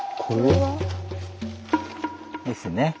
これもですよね。